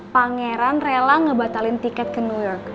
pangeran rela ngebatalin tiket ke nuria